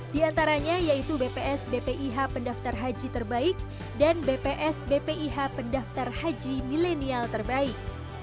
di antaranya yaitu bps bpih pendaftar haji terbaik dan bps bpih pendaftar haji milenial terbaik